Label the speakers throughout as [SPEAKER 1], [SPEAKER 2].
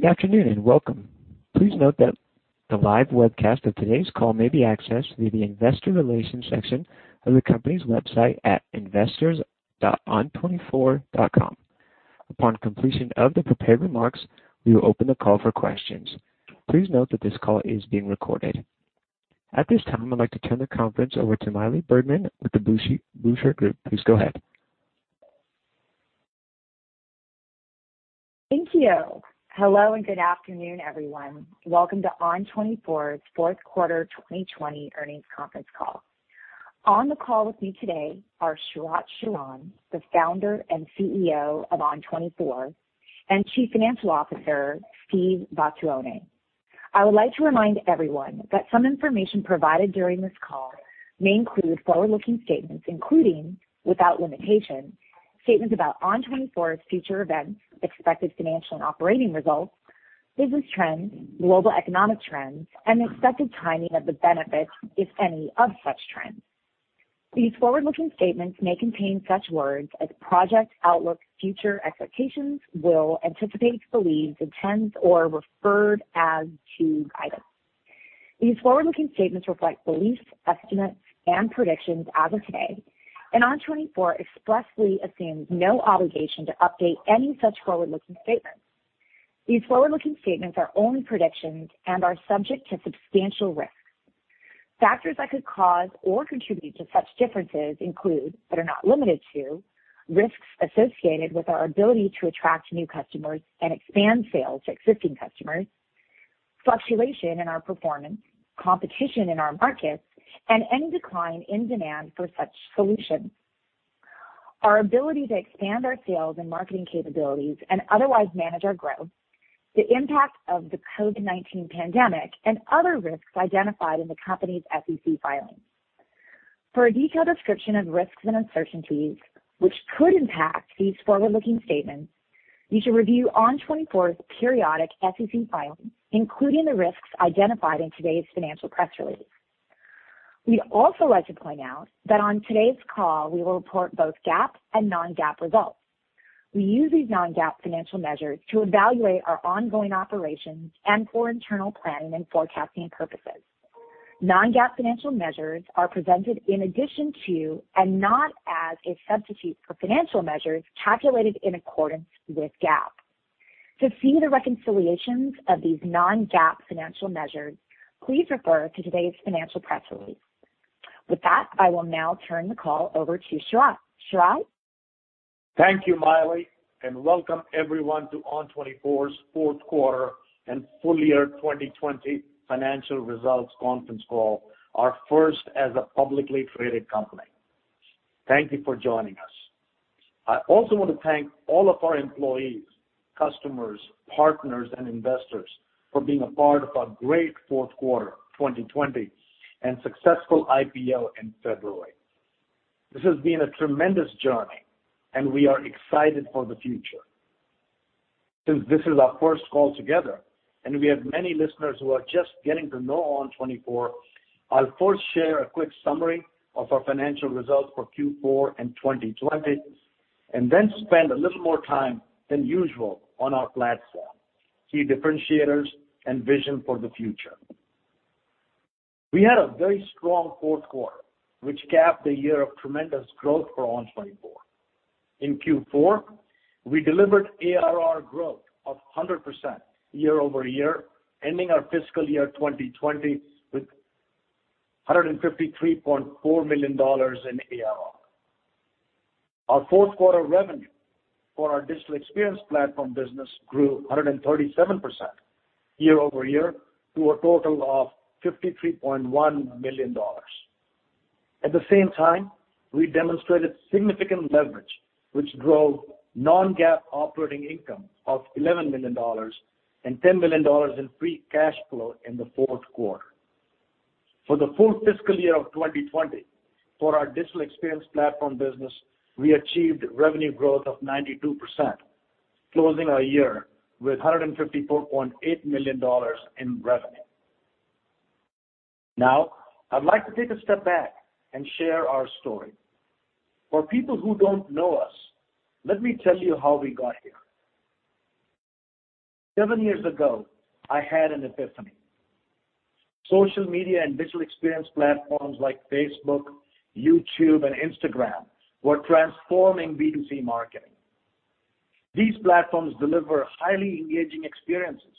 [SPEAKER 1] Good afternoon, and welcome. Please note that the live webcast of today's call may be accessed through the investor relations section of the company's website at investors.on24.com. Upon completion of the prepared remarks, we will open the call for questions. Please note that this call is being recorded. At this time, I'd like to turn the conference over to Maili Bergman with The Blueshirt Group. Please go ahead.
[SPEAKER 2] Thank you. Hello, and good afternoon, everyone. Welcome to ON24's fourth quarter 2020 earnings conference call. On the call with me today are Sharat Sharan, the founder and CEO of ON24, and Chief Financial Officer, Steve Vattuone. I would like to remind everyone that some information provided during this call may include forward-looking statements, including, without limitation, statements about ON24's future events, expected financial and operating results, business trends, global economic trends, and expected timing of the benefits, if any, of such trends. These forward-looking statements may contain such words as project, outlook, future, expectations, will, anticipate, believe, intends, or referred as to guide us. These forward-looking statements reflect beliefs, estimates, and predictions as of today. ON24 expressly assumes no obligation to update any such forward-looking statements. These forward-looking statements are only predictions and are subject to substantial risks. Factors that could cause or contribute to such differences include, but are not limited to, risks associated with our ability to attract new customers and expand sales to existing customers, fluctuation in our performance, competition in our markets, and any decline in demand for such solutions, our ability to expand our sales and marketing capabilities and otherwise manage our growth, the impact of the COVID-19 pandemic, and other risks identified in the company's SEC filings. For a detailed description of risks and uncertainties which could impact these forward-looking statements, you should review ON24's periodic SEC filings, including the risks identified in today's financial press release. We'd also like to point out that on today's call, we will report both GAAP and non-GAAP results. We use these non-GAAP financial measures to evaluate our ongoing operations and for internal planning and forecasting purposes. Non-GAAP financial measures are presented in addition to, and not as a substitute for financial measures calculated in accordance with GAAP. To see the reconciliations of these non-GAAP financial measures, please refer to today's financial press release. With that, I will now turn the call over to Sharat. Sharat?
[SPEAKER 3] Thank you, Maili, and welcome everyone to ON24's fourth quarter and full year 2020 financial results conference call, our first as a publicly traded company. Thank you for joining us. I also want to thank all of our employees, customers, partners, and investors for being a part of our great fourth quarter 2020 and successful IPO in February. This has been a tremendous journey, and we are excited for the future. Since this is our first call together, and we have many listeners who are just getting to know ON24, I'll first share a quick summary of our financial results for Q4 and 2020, and then spend a little more time than usual on our platform, key differentiators, and vision for the future. We had a very strong fourth quarter, which capped a year of tremendous growth for ON24. In Q4, we delivered ARR growth of 100% year-over-year, ending our fiscal year 2020 with $153.4 million in ARR. Our fourth quarter revenue for our digital experience platform business grew 137% year-over-year, to a total of $53.1 million. At the same time, we demonstrated significant leverage, which drove non-GAAP operating income of $11 million and $10 million in free cash flow in the fourth quarter. For the full fiscal year of 2020, for our digital experience platform business, we achieved revenue growth of 92%, closing our year with $154.8 million in revenue. I'd like to take a step back and share our story. For people who don't know us, let me tell you how we got here. Seven years ago, I had an epiphany. Social media and digital experience platforms like Facebook, YouTube, and Instagram were transforming B2C marketing. These platforms deliver highly engaging experiences,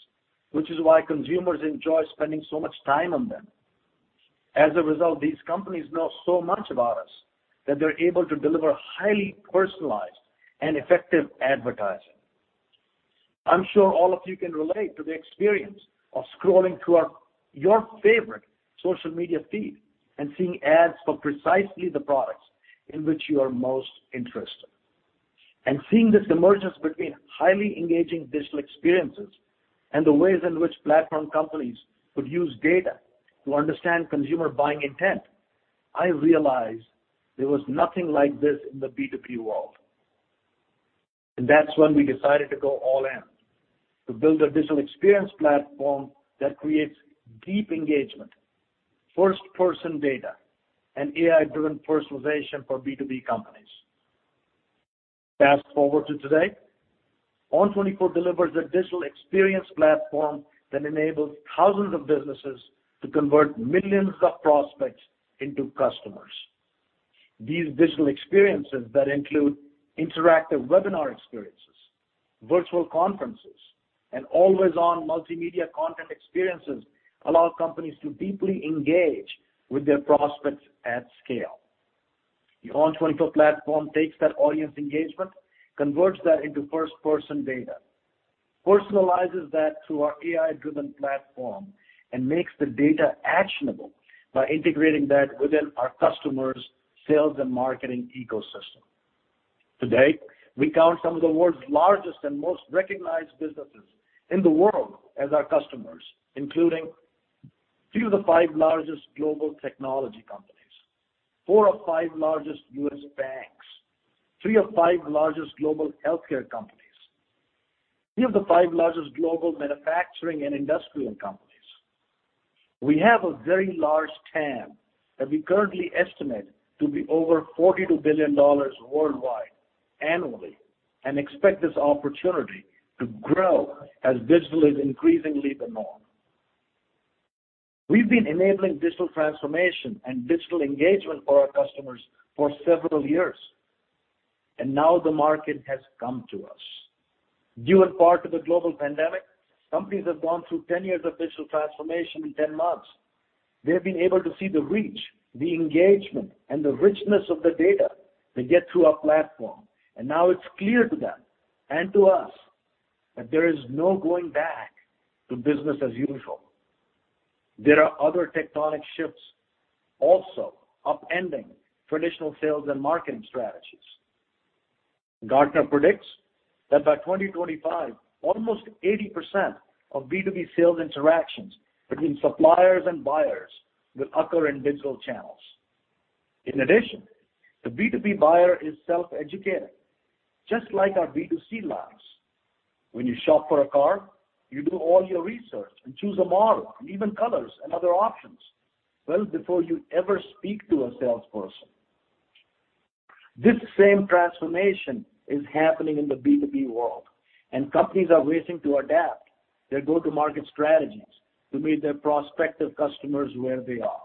[SPEAKER 3] which is why consumers enjoy spending so much time on them. As a result, these companies know so much about us that they're able to deliver highly personalized and effective advertising. I'm sure all of you can relate to the experience of scrolling through your favorite social media feed and seeing ads for precisely the products in which you are most interested. Seeing this emergence between highly engaging digital experiences and the ways in which platform companies could use data to understand consumer buying intent, I realized there was nothing like this in the B2B world. That's when we decided to go all in to build a digital experience platform that creates deep engagement, first-person data, and AI-driven personalization for B2B companies. Fast-forward to today, ON24 delivers a digital experience platform that enables thousands of businesses to convert millions of prospects into customers. These digital experiences that include interactive webinar experiences, virtual conferences, and always-on multimedia content experiences allow companies to deeply engage with their prospects at scale. The ON24 platform takes that audience engagement, converts that into first-person data, personalizes that through our AI-driven platform, and makes the data actionable by integrating that within our customers' sales and marketing ecosystem. Today, we count some of the world's largest and most recognized businesses in the world as our customers, including three of the five largest global technology companies, four of five largest U.S. banks, three of five largest global healthcare companies, three of the five largest global manufacturing and industrial companies. We have a very large TAM that we currently estimate to be over $42 billion worldwide annually, and expect this opportunity to grow as digital is increasingly the norm. We've been enabling digital transformation and digital engagement for our customers for several years, and now the market has come to us. Due in part to the global pandemic, companies have gone through 10 years of digital transformation in 10 months. They've been able to see the reach, the engagement, and the richness of the data they get through our platform. Now it's clear to them, and to us, that there is no going back to business as usual. There are other tectonic shifts also upending traditional sales and marketing strategies. Gartner predicts that by 2025, almost 80% of B2B sales interactions between suppliers and buyers will occur in digital channels. In addition, the B2B buyer is self-educated, just like our B2C lives. When you shop for a car, you do all your research and choose a model, and even colors and other options well before you ever speak to a salesperson. This same transformation is happening in the B2B world, and companies are racing to adapt their go-to-market strategies to meet their prospective customers where they are.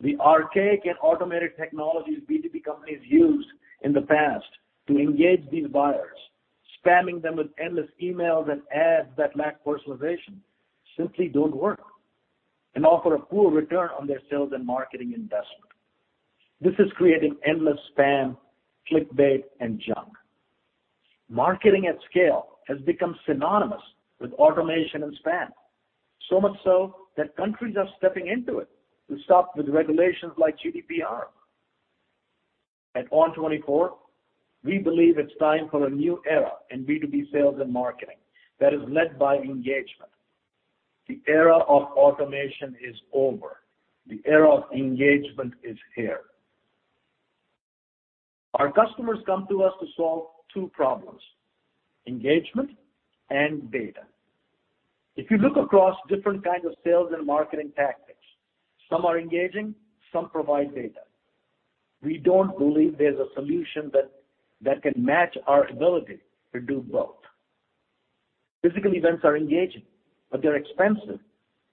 [SPEAKER 3] The archaic and automated technologies B2B companies used in the past to engage these buyers, spamming them with endless emails and ads that lack personalization, simply don't work, and offer a poor return on their sales and marketing investment. This is creating endless spam, clickbait, and junk. Marketing at scale has become synonymous with automation and spam, so much so that countries are stepping in to it to stop with regulations like GDPR. At ON24, we believe it's time for a new era in B2B sales and marketing that is led by engagement. The era of automation is over. The era of engagement is here. Our customers come to us to solve two problems, engagement and data. If you look across different kinds of sales and marketing tactics, some are engaging, some provide data. We don't believe there's a solution that can match our ability to do both. Physical events are engaging, but they're expensive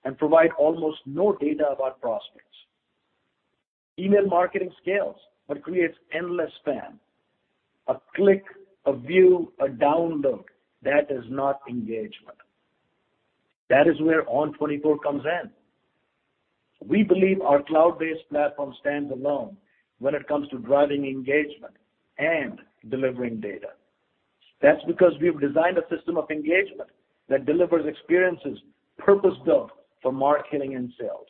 [SPEAKER 3] and provide almost no data about prospects. Email marketing scales but creates endless spam. A click, a view, a download, that is not engagement. That is where ON24 comes in. We believe our cloud-based platform stands alone when it comes to driving engagement and delivering data. That's because we've designed a system of engagement that delivers experiences purpose-built for marketing and sales.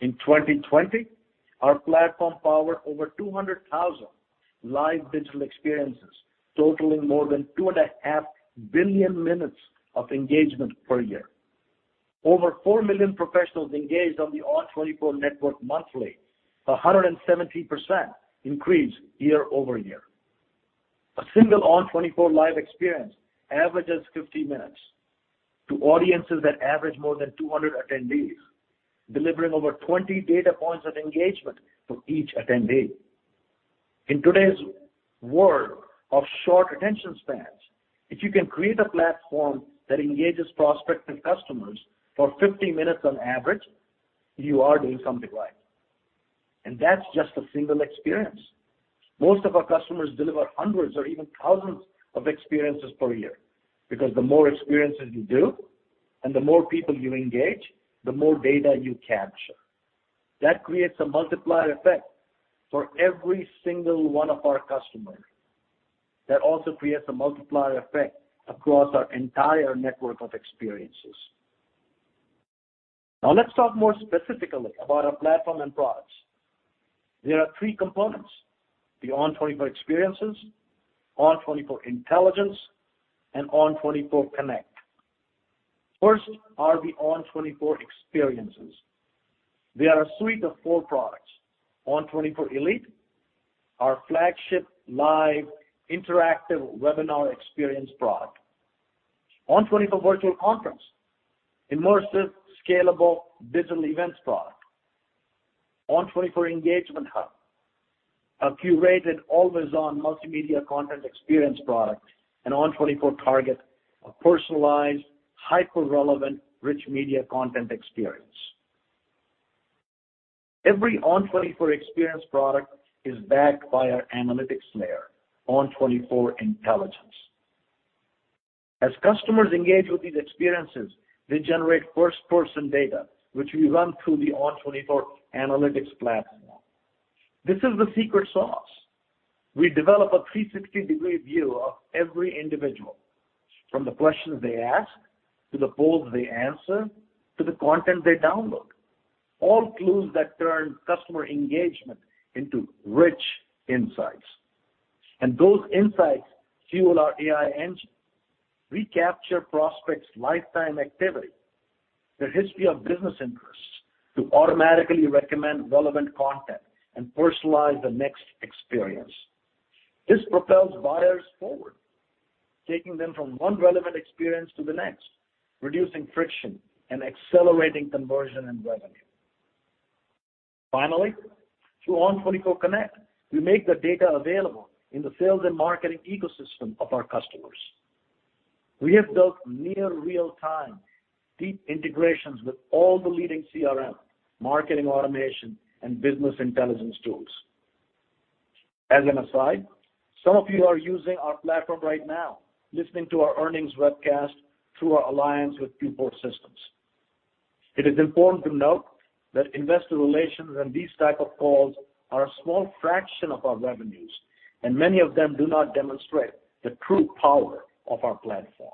[SPEAKER 3] In 2020, our platform powered over 200,000 live digital experiences, totaling more than 2.5 billion minutes of engagement per year. Over 4 million professionals engaged on the ON24 network monthly, a 170% increase year-over-year. A single ON24 live experience averages 50 minutes to audiences that average more than 200 attendees, delivering over 20 data points of engagement for each attendee. In today's world of short attention spans, if you can create a platform that engages prospective customers for 50 minutes on average, you are doing something right. That's just a single experience. Most of our customers deliver hundreds or even thousands of experiences per year because the more experiences you do and the more people you engage, the more data you capture. That creates a multiplier effect for every single one of our customers. That also creates a multiplier effect across our entire network of experiences. Now, let's talk more specifically about our platform and products. There are three components, the ON24 Experiences, ON24 Intelligence, and ON24 Connect. First are the ON24 Experiences. They are a suite of four products. ON24 Elite, our flagship live interactive webinar experience product. ON24 Virtual Conference, immersive, scalable digital events product. ON24 Engagement Hub, a curated, always-on multimedia content experience product. ON24 Target, a personalized, hyper-relevant, rich media content experience. Every ON24 experience product is backed by our analytics layer, ON24 Intelligence. As customers engage with these experiences, they generate first-person data, which we run through the ON24 analytics platform. This is the secret sauce. We develop a 360-degree view of every individual, from the questions they ask to the polls they answer, to the content they download. All clues that turn customer engagement into rich insights. Those insights fuel our AI engine. We capture prospects' lifetime activity, their history of business interests, to automatically recommend relevant content and personalize the next experience. This propels buyers forward, taking them from one relevant experience to the next, reducing friction and accelerating conversion and revenue. Finally, through ON24 Connect, we make the data available in the sales and marketing ecosystem of our customers. We have built near real-time, deep integrations with all the leading CRM, marketing automation, and business intelligence tools. As an aside, some of you are using our platform right now, listening to our earnings webcast through our alliance with Viewport Systems. It is important to note that investor relations and these types of calls are a small fraction of our revenues, and many of them do not demonstrate the true power of our platform.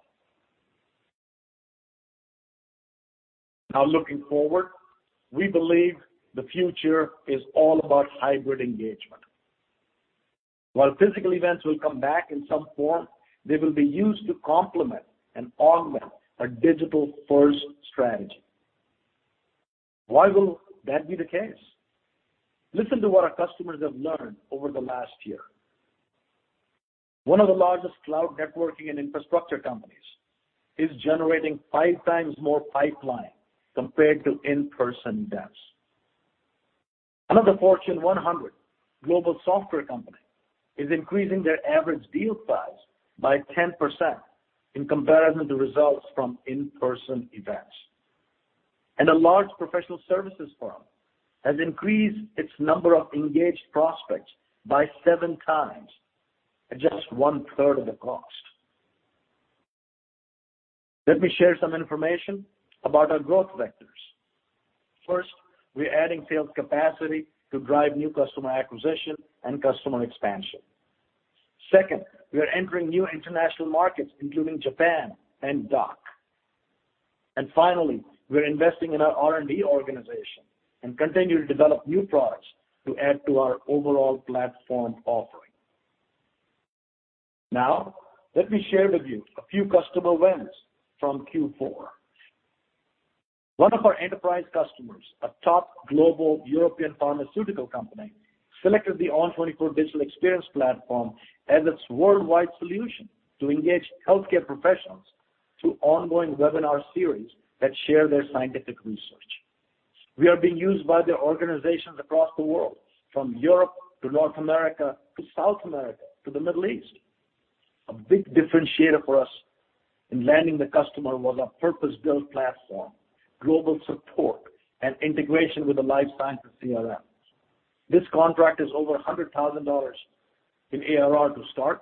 [SPEAKER 3] Now looking forward, we believe the future is all about hybrid engagement. While physical events will come back in some form, they will be used to complement and augment a digital-first strategy. Why will that be the case? Listen to what our customers have learned over the last year. One of the largest cloud networking and infrastructure companies is generating 5x more pipeline compared to in-person events. Another Fortune 100 global software company is increasing their average deal size by 10% in comparison to results from in-person events. A large professional services firm has increased its number of engaged prospects by 7x at just one-third of the cost. Let me share some information about our growth vectors. First, we are adding sales capacity to drive new customer acquisition and customer expansion. Second, we are entering new international markets, including Japan and DACH. Finally, we are investing in our R&D organization and continue to develop new products to add to our overall platform offering. Now, let me share with you a few customer wins from Q4. One of our enterprise customers, a top global European pharmaceutical company, selected the ON24 Digital Experience Platform as its worldwide solution to engage healthcare professionals through ongoing webinar series that share their scientific research. We are being used by their organizations across the world, from Europe to North America, to South America, to the Middle East. A big differentiator for us in landing the customer was our purpose-built platform, global support, and integration with the life sciences CRM. This contract is over $100,000 in ARR to start,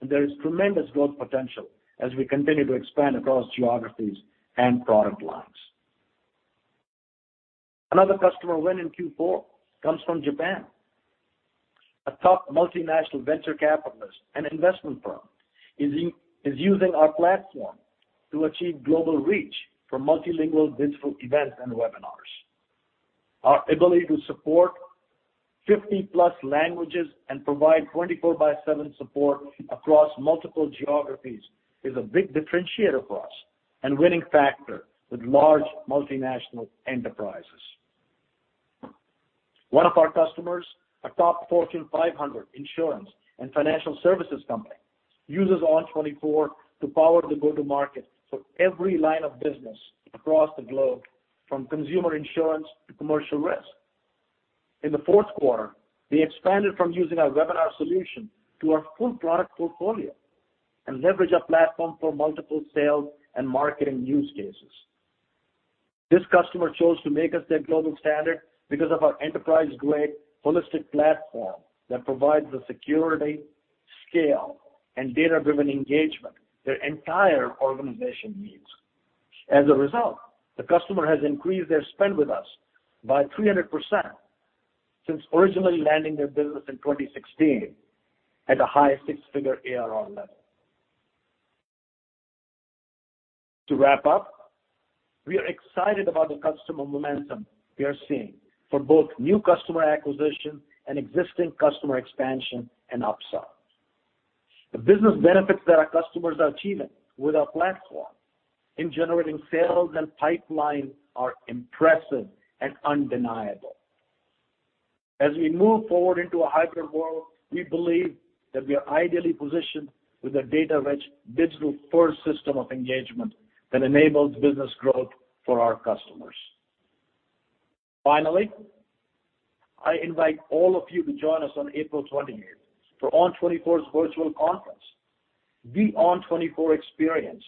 [SPEAKER 3] and there is tremendous growth potential as we continue to expand across geographies and product lines. Another customer win in Q4 comes from Japan. A top multinational venture capitalist and investment firm is using our platform to achieve global reach for multilingual digital events and webinars. Our ability to support 50+ languages and provide 24*7 support across multiple geographies is a big differentiator for us and winning factor with large multinational enterprises. One of our customers, a top Fortune 500 insurance and financial services company, uses ON24 to power the go-to-market for every line of business across the globe, from consumer insurance to commercial risk. In the fourth quarter, we expanded from using our webinar solution to our full product portfolio and leverage our platform for multiple sales and marketing use cases. This customer chose to make us their global standard because of our enterprise-grade holistic platform that provides the security, scale, and data-driven engagement their entire organization needs. As a result, the customer has increased their spend with us by 300% since originally landing their business in 2016 at a high six-figure ARR level. To wrap up, we are excited about the customer momentum we are seeing for both new customer acquisition and existing customer expansion and upsell. The business benefits that our customers are achieving with our platform in generating sales and pipeline are impressive and undeniable. As we move forward into a hybrid world, we believe that we are ideally positioned with a data-rich, digital-first system of engagement that enables business growth for our customers. Finally, I invite all of you to join us on April 28th for ON24's virtual conference, the ON24 Experience,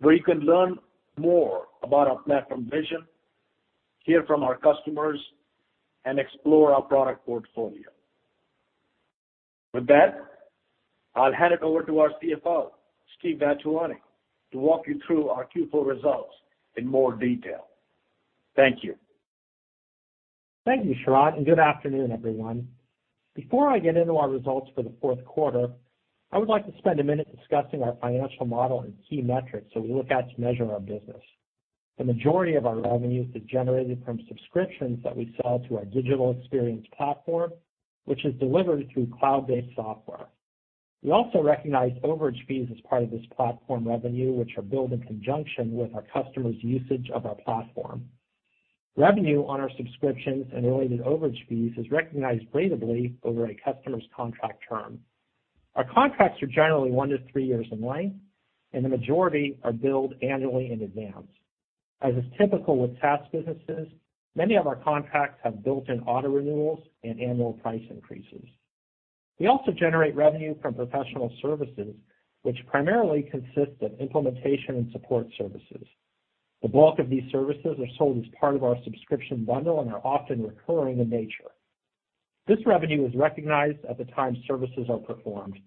[SPEAKER 3] where you can learn more about our platform vision, hear from our customers, and explore our product portfolio. With that, I'll hand it over to our CFO, Steve Vattuone, to walk you through our Q4 results in more detail. Thank you.
[SPEAKER 4] Thank you, Sharat. Good afternoon, everyone. Before I get into our results for the fourth quarter, I would like to spend a minute discussing our financial model and key metrics that we look at to measure our business. The majority of our revenues is generated from subscriptions that we sell through our digital experience platform, which is delivered through cloud-based software. We also recognize overage fees as part of this platform revenue, which are billed in conjunction with our customers' usage of our platform. Revenue on our subscriptions and related overage fees is recognized ratably over a customer's contract term. Our contracts are generally one to three years in length, and the majority are billed annually in advance. As is typical with SaaS businesses, many of our contracts have built-in auto renewals and annual price increases. We also generate revenue from professional services, which primarily consist of implementation and support services. The bulk of these services are sold as part of our subscription bundle and are often recurring in nature. This revenue is recognized at the time services are performed.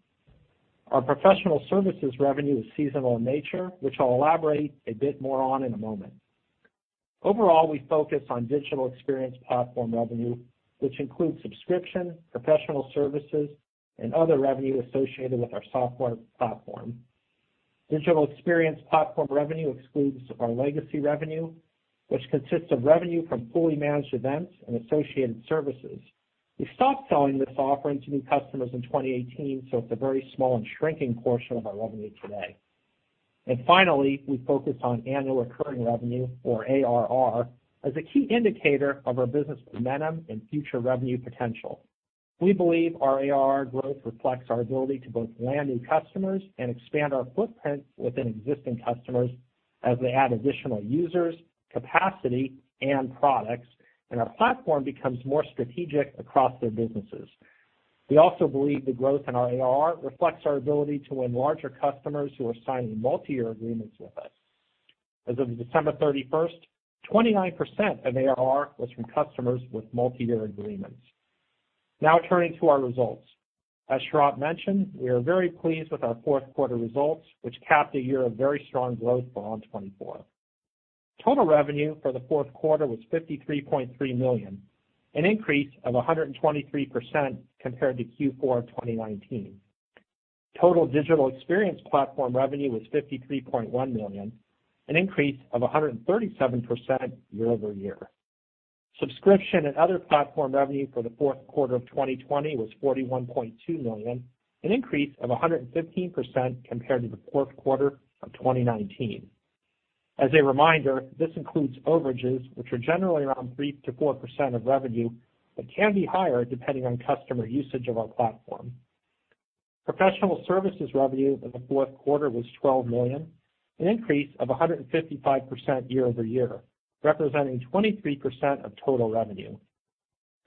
[SPEAKER 4] Our professional services revenue is seasonal in nature, which I'll elaborate a bit more on in a moment. Overall, we focus on digital experience platform revenue, which includes subscription, professional services, and other revenue associated with our software platform. Digital experience platform revenue excludes our legacy revenue, which consists of revenue from fully managed events and associated services. We stopped selling this offering to new customers in 2018, so it's a very small and shrinking portion of our revenue today. Finally, we focus on annual recurring revenue, or ARR, as a key indicator of our business momentum and future revenue potential. We believe our ARR growth reflects our ability to both land new customers and expand our footprint within existing customers as they add additional users, capacity, and products, and our platform becomes more strategic across their businesses. We also believe the growth in our ARR reflects our ability to win larger customers who are signing multi-year agreements with us. As of December 31st, 29% of ARR was from customers with multi-year agreements. Now turning to our results. As Sharat mentioned, we are very pleased with our fourth quarter results, which capped a year of very strong growth for ON24. Total revenue for the fourth quarter was $53.3 million, an increase of 123% compared to Q4 2019. Total digital experience platform revenue was $53.1 million, an increase of 137% year-over-year. Subscription and other platform revenue for the fourth quarter of 2020 was $41.2 million, an increase of 115% compared to the fourth quarter of 2019. As a reminder, this includes overages, which are generally around 3%-4% of revenue but can be higher depending on customer usage of our platform. Professional services revenue in the fourth quarter was $12 million, an increase of 155% year-over-year, representing 23% of total revenue.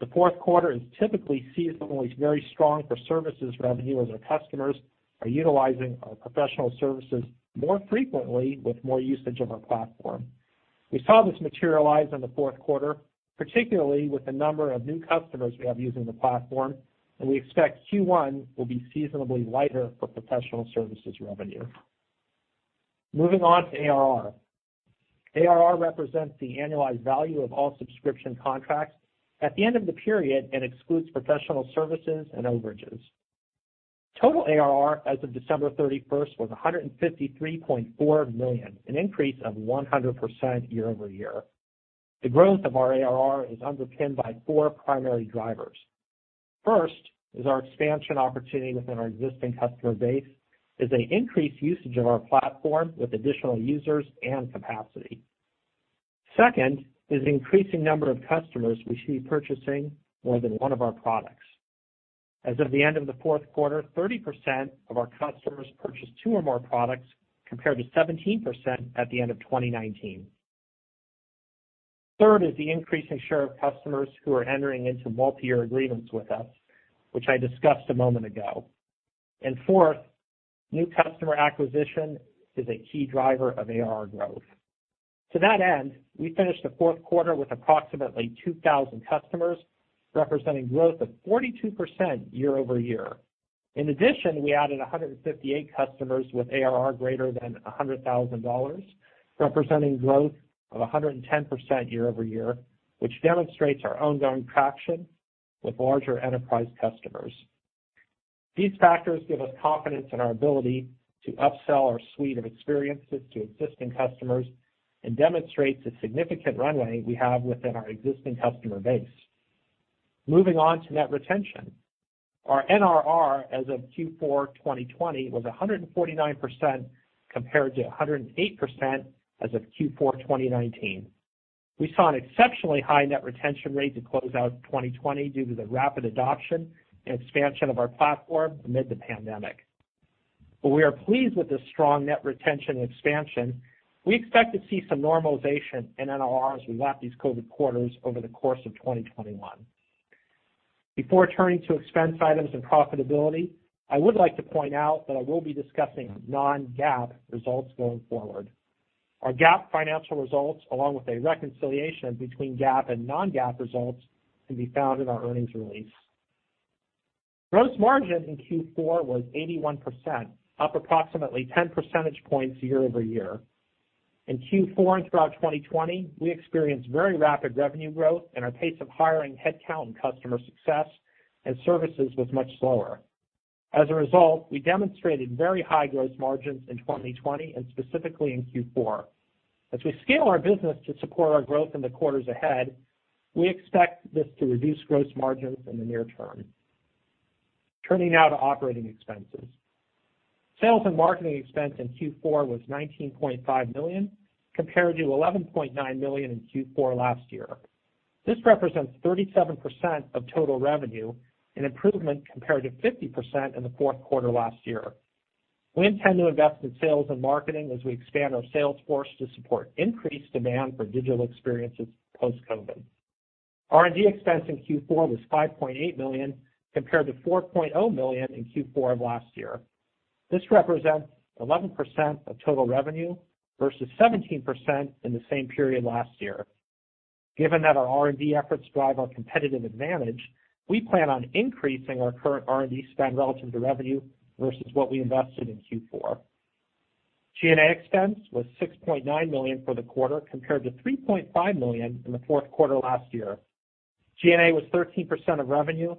[SPEAKER 4] The fourth quarter is typically seasonally very strong for services revenue, as our customers are utilizing our professional services more frequently with more usage of our platform. We saw this materialize in the fourth quarter, particularly with the number of new customers we have using the platform, and we expect Q1 will be seasonably lighter for professional services revenue. Moving on to ARR. ARR represents the annualized value of all subscription contracts at the end of the period and excludes professional services and overages. Total ARR as of December 31st was $153.4 million, an increase of 100% year-over-year. The growth of our ARR is underpinned by four primary drivers. First is our expansion opportunity within our existing customer base as they increase usage of our platform with additional users and capacity. Second is the increasing number of customers we see purchasing more than one of our products. As of the end of the fourth quarter, 30% of our customers purchased two or more products, compared to 17% at the end of 2019. Third is the increasing share of customers who are entering into multi-year agreements with us, which I discussed a moment ago. Fourth, new customer acquisition is a key driver of ARR growth. To that end, we finished the fourth quarter with approximately 2,000 customers, representing growth of 42% year-over-year. In addition, we added 158 customers with ARR greater than $100,000, representing growth of 110% year-over-year, which demonstrates our ongoing traction with larger enterprise customers. These factors give us confidence in our ability to upsell our suite of experiences to existing customers and demonstrates the significant runway we have within our existing customer base. Moving on to net retention. Our NRR as of Q4 2020 was 149%, compared to 108% as of Q4 2019. We saw an exceptionally high net retention rate to close out 2020 due to the rapid adoption and expansion of our platform amid the pandemic. We are pleased with the strong net retention expansion. We expect to see some normalization in NRR as we lap these COVID quarters over the course of 2021. Before turning to expense items and profitability, I would like to point out that I will be discussing non-GAAP results going forward. Our GAAP financial results, along with a reconciliation between GAAP and non-GAAP results, can be found in our earnings release. Gross margin in Q4 was 81%, up approximately 10 percentage points year-over-year. In Q4 and throughout 2020, we experienced very rapid revenue growth, and our pace of hiring headcount in customer success and services was much slower. As a result, we demonstrated very high gross margins in 2020, and specifically in Q4. As we scale our business to support our growth in the quarters ahead, we expect this to reduce gross margins in the near term. Turning now to operating expenses. Sales and marketing expense in Q4 was $19.5 million, compared to $11.9 million in Q4 last year. This represents 37% of total revenue, an improvement compared to 50% in the fourth quarter last year. We intend to invest in sales and marketing as we expand our sales force to support increased demand for digital experiences post-COVID. R&D expense in Q4 was $5.8 million, compared to $4.0 million in Q4 of last year. This represents 11% of total revenue versus 17% in the same period last year. Given that our R&D efforts drive our competitive advantage, we plan on increasing our current R&D spend relative to revenue versus what we invested in Q4. G&A expense was $6.9 million for the quarter, compared to $3.5 million in the fourth quarter last year. G&A was 13% of revenue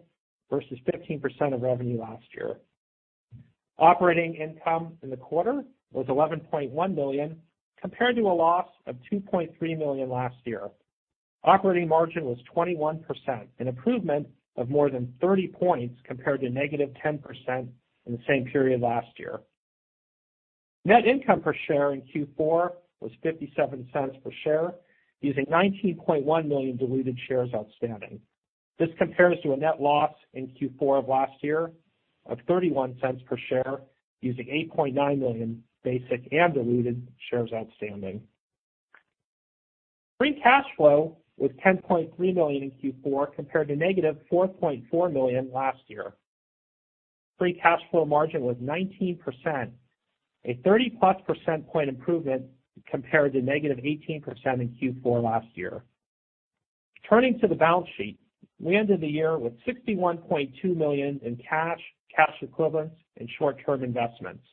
[SPEAKER 4] versus 15% of revenue last year. Operating income in the quarter was $11.1 million, compared to a loss of $2.3 million last year. Operating margin was 21%, an improvement of more than 30 points compared to -10% in the same period last year. Net income per share in Q4 was $0.57 per share, using 19.1 million diluted shares outstanding. This compares to a net loss in Q4 of last year of $0.31 per share, using 8.9 million basic and diluted shares outstanding. Free cash flow was $10.3 million in Q4, compared to negative $4.4 million last year. Free cash flow margin was 19%, a 30+ percent point improvement compared to negative 18% in Q4 last year. Turning to the balance sheet, we ended the year with $61.2 million in cash equivalents, and short-term investments.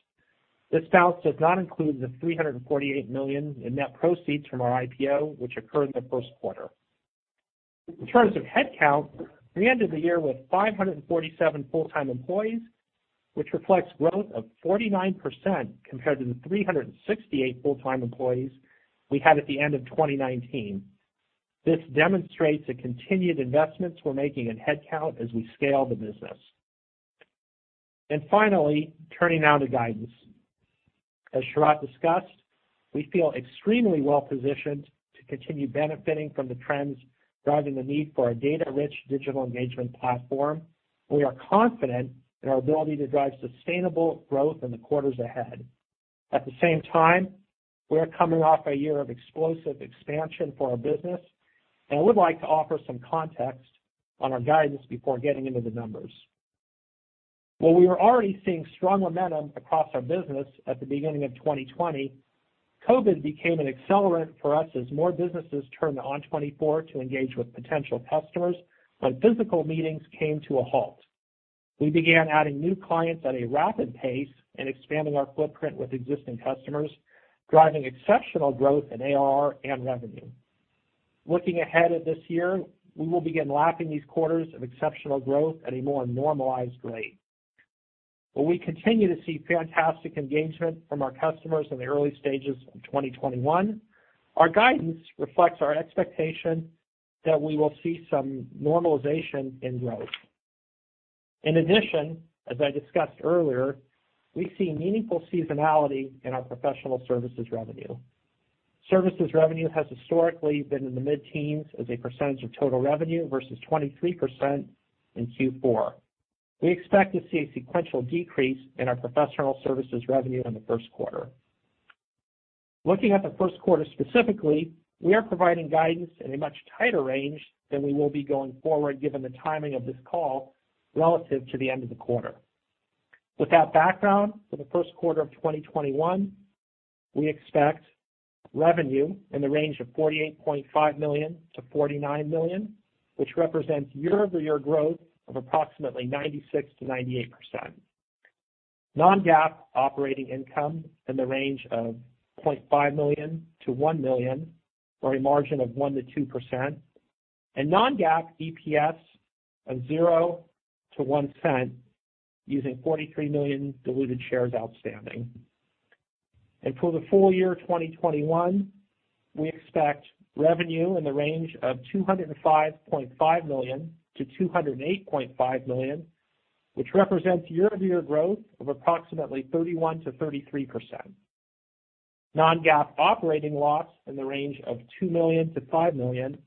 [SPEAKER 4] This balance does not include the $348 million in net proceeds from our IPO, which occurred in the first quarter. In terms of headcount, we ended the year with 547 full-time employees, which reflects growth of 49% compared to the 368 full-time employees we had at the end of 2019. This demonstrates the continued investments we're making in headcount as we scale the business. Finally, turning now to guidance. As Sharat discussed, we feel extremely well-positioned to continue benefiting from the trends driving the need for our data-rich digital engagement platform. We are confident in our ability to drive sustainable growth in the quarters ahead. At the same time, we are coming off a year of explosive expansion for our business, and I would like to offer some context on our guidance before getting into the numbers. While we were already seeing strong momentum across our business at the beginning of 2020, COVID became an accelerant for us as more businesses turned to ON24 to engage with potential customers when physical meetings came to a halt. We began adding new clients at a rapid pace and expanding our footprint with existing customers, driving exceptional growth in ARR and revenue. Looking ahead at this year, we will begin lapping these quarters of exceptional growth at a more normalized rate. While we continue to see fantastic engagement from our customers in the early stages of 2021, our guidance reflects our expectation that we will see some normalization in growth. In addition, as I discussed earlier, we see meaningful seasonality in our professional services revenue. Services revenue has historically been in the mid-teens as a percentage of total revenue versus 23% in Q4. We expect to see a sequential decrease in our professional services revenue in the first quarter. Looking at the first quarter specifically, we are providing guidance in a much tighter range than we will be going forward given the timing of this call relative to the end of the quarter. With that background, for the first quarter of 2021, we expect revenue in the range of $48.5 million-$49 million, which represents year-over-year growth of approximately 96%-98%. Non-GAAP operating income in the range of $0.5 million-$1 million, or a margin of 1%-2%, and non-GAAP EPS of $0.00-$0.01 using 43 million diluted shares outstanding. For the full year 2021, we expect revenue in the range of $205.5 million-$208.5 million, which represents year-over-year growth of approximately 31%-33%. Non-GAAP operating loss in the range of $2 million-$5 million,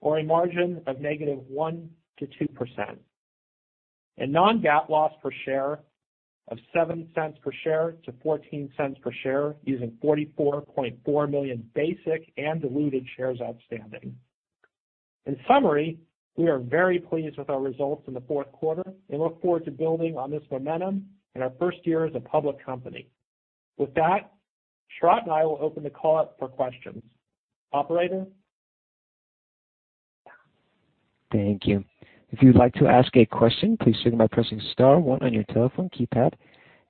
[SPEAKER 4] or a margin of negative 1%-2%. Non-GAAP loss per share of $0.07 per share-$0.14 per share, using 44.4 million basic and diluted shares outstanding. In summary, we are very pleased with our results in the fourth quarter and look forward to building on this momentum in our first year as a public company. With that, Sharat and I will open the call up for questions. Operator?
[SPEAKER 1] Thank you. If you would like to ask a question please signal by pressing star one on your telephone keypad.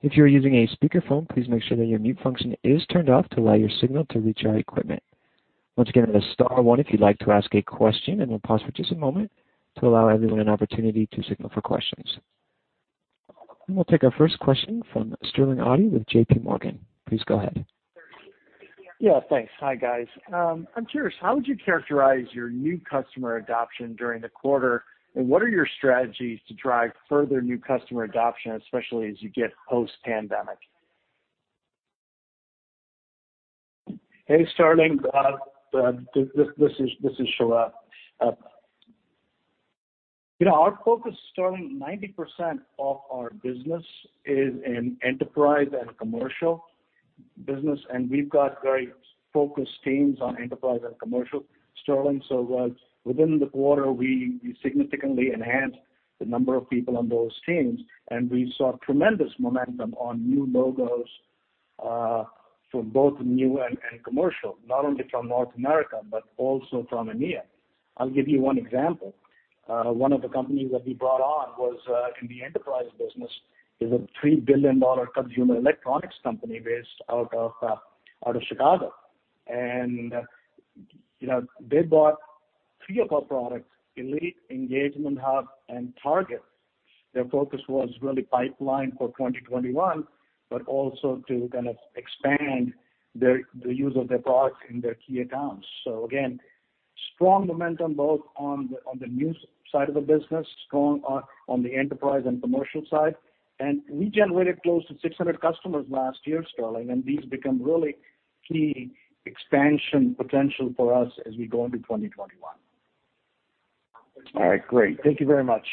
[SPEAKER 1] If you are using a speaker phone please make sure your mute function is turned off to allow your signal to reach our equipment. Once again it is star one if you would like to ask a question. We will pause for a moment to allow an opportunity to signal for questions. We'll take our first question from Sterling Auty with JPMorgan. Please go ahead.
[SPEAKER 5] Yeah, thanks. Hi, guys. I'm curious, how would you characterize your new customer adoption during the quarter, and what are your strategies to drive further new customer adoption, especially as you get post-pandemic?
[SPEAKER 3] Hey, Sterling. This is Sharat. Our focus, Sterling, 90% of our business is in enterprise and commercial business. We've got very focused teams on enterprise and commercial, Sterling. Within the quarter, we significantly enhanced the number of people on those teams. We saw tremendous momentum on new logos, for both new and commercial, not only from North America, but also from EMEA. I'll give you one example. One of the companies that we brought on was in the enterprise business, is a $3 billion consumer electronics company based out of Chicago. They bought three of our products, Elite, Engagement Hub, and Target. Their focus was really pipeline for 2021, also to kind of expand the use of their products in their key accounts. Again, strong momentum both on the new side of the business, strong on the enterprise and commercial side. We generated close to 600 customers last year, Sterling, and these become really key expansion potential for us as we go into 2021.
[SPEAKER 5] All right, great. Thank you very much.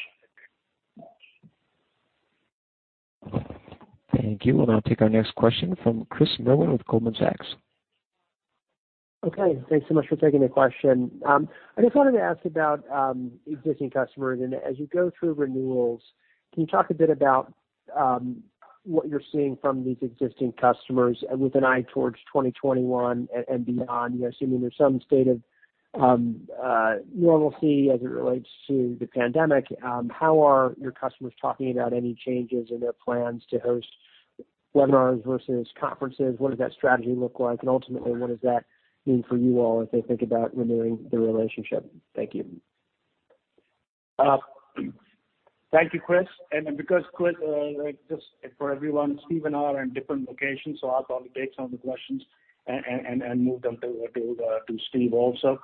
[SPEAKER 1] Thank you. We'll now take our next question from Chris Merwin with Goldman Sachs.
[SPEAKER 6] Okay, thanks so much for taking the question. I just wanted to ask about existing customers, and as you go through renewals, can you talk a bit about what you're seeing from these existing customers with an eye towards 2021 and beyond? Assuming there's some state of normalcy as it relates to the pandemic, how are your customers talking about any changes in their plans to host webinars versus conferences? What does that strategy look like? Ultimately, what does that mean for you all as they think about renewing the relationship? Thank you.
[SPEAKER 3] Thank you, Chris. Just for everyone, Steve and I are in different locations, so I'll probably take some of the questions and move them to Steve also.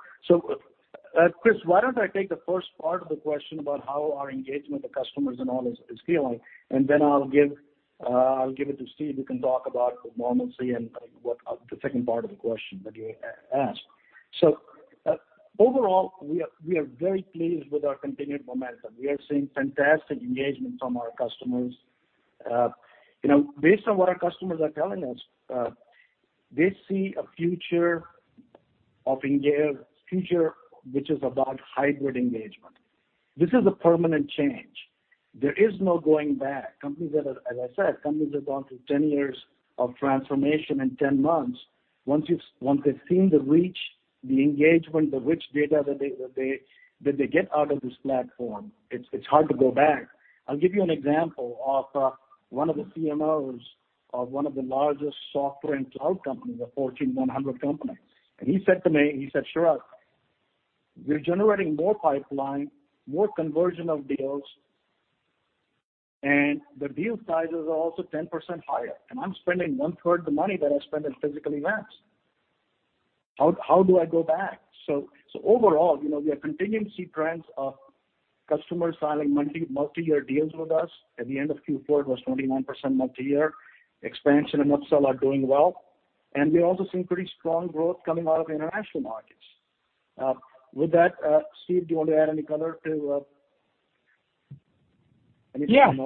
[SPEAKER 3] Chris, why don't I take the first part of the question about how our engagement with customers and all is feeling, and then I'll give it to Steve, who can talk about normalcy and the second part of the question that you asked. Overall, we are very pleased with our continued momentum. We are seeing fantastic engagement from our customers. Based on what our customers are telling us, they see a future which is about hybrid engagement. This is a permanent change. There is no going back. As I said, companies have gone through 10 years of transformation in 10 months. Once they've seen the reach, the engagement, the rich data that they get out of this platform, it's hard to go back. I'll give you an example of one of the CMOs of one of the largest software and cloud companies, a Fortune 100 company. He said to me, he said, "Sharat, we're generating more pipeline, more conversion of deals, and the deal sizes are also 10% higher. I'm spending one-third the money that I spend in physical events. How do I go back?" Overall, we are continuing to see trends of customers signing multi-year deals with us. At the end of Q4, it was 29% multi-year. Expansion and upsell are doing well. We're also seeing pretty strong growth coming out of international markets. With that, Steve, do you want to add any color to any of-
[SPEAKER 4] Yeah. I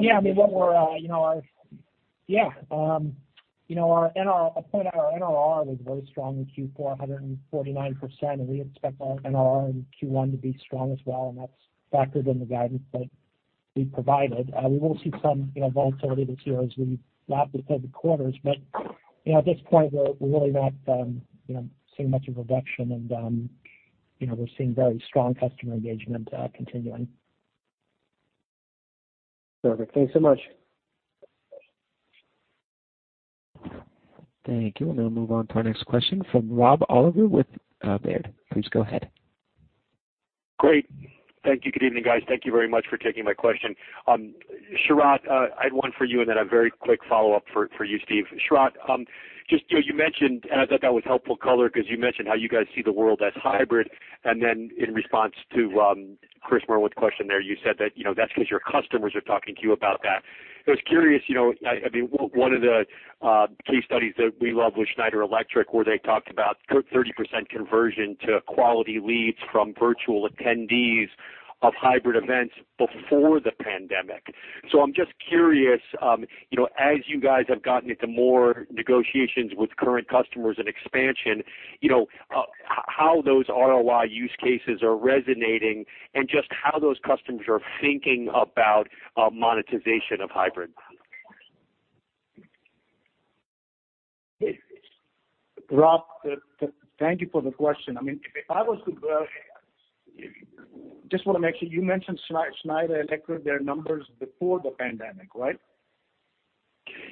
[SPEAKER 4] point out our NRR was very strong in Q4, 149%, and we expect our NRR in Q1 to be strong as well, and that's factored in the guidance that we provided. We will see some volatility this year as we lap the COVID quarters. At this point, we're really not seeing much of a reduction and we're seeing very strong customer engagement continuing.
[SPEAKER 6] Perfect. Thanks so much.
[SPEAKER 1] Thank you. We'll now move on to our next question from Rob Oliver with Baird. Please go ahead.
[SPEAKER 7] Great. Thank you. Good evening, guys. Thank you very much for taking my question. Sharat, I had one for you, and then a very quick follow-up for you, Steve. Sharat, you mentioned, I thought that was helpful color because you mentioned how you guys see the world as hybrid, and then in response to Chris Merwin's question there, you said that's because your customers are talking to you about that. I was curious, one of the case studies that we love was Schneider Electric, where they talked about 30% conversion to quality leads from virtual attendees of hybrid events before the pandemic. I'm just curious, as you guys have gotten into more negotiations with current customers and expansion, how those ROI use cases are resonating and just how those customers are thinking about monetization of hybrid.
[SPEAKER 3] Rob, thank you for the question. I just want to make sure, you mentioned Schneider Electric, their numbers before the pandemic, right?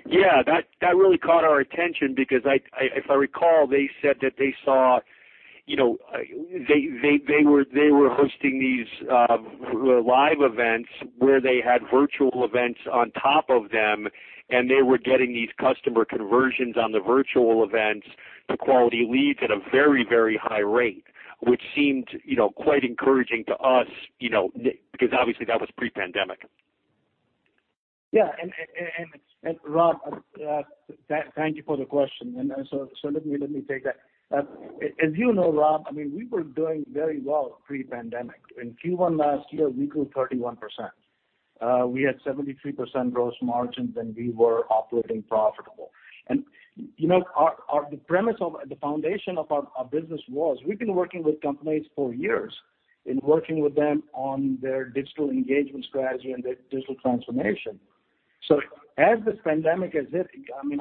[SPEAKER 7] That really caught our attention because if I recall, they said that they were hosting these live events where they had virtual events on top of them, and they were getting these customer conversions on the virtual events to quality leads at a very high rate, which seemed quite encouraging to us, because obviously that was pre-pandemic.
[SPEAKER 3] Rob, thank you for the question. Let me take that. As you know, Rob, we were doing very well pre-pandemic. In Q1 last year, we grew 31%. We had 73% gross margins, and we were operating profitable. The foundation of our business was we've been working with companies for years, in working with them on their digital engagement strategy and their digital transformation. As this pandemic has hit,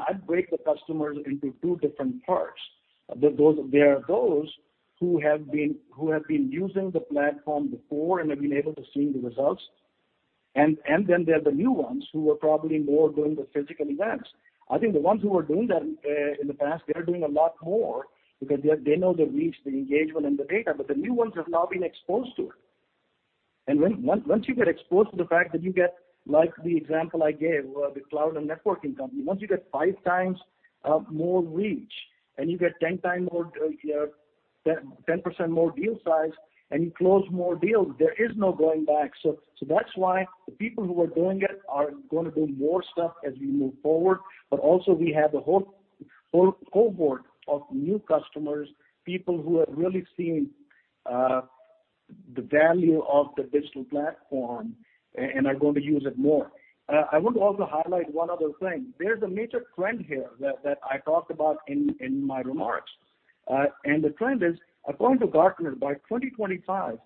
[SPEAKER 3] I break the customers into two different parts. There are those who have been using the platform before and have been able to see the results, and then there are the new ones who were probably more doing the physical events. I think the ones who were doing that in the past, they are doing a lot more because they know the reach, the engagement, and the data, but the new ones have now been exposed to it. Once you get exposed to the fact that you get, like the example I gave, the cloud and networking company, once you get 5x more reach and you get 10% more deal size, and you close more deals, there is no going back. That's why the people who are doing it are going to do more stuff as we move forward. Also we have a whole cohort of new customers, people who have really seen the value of the digital platform and are going to use it more. I want to also highlight one other thing. There's a major trend here that I talked about in my remarks. The trend is, according to Gartner, by 2025,